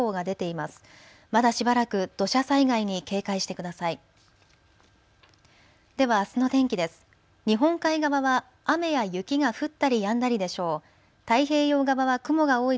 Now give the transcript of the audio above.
まだしばらく土砂災害に警戒してください。